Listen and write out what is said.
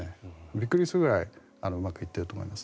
びっくりするぐらいうまくいっていると思います。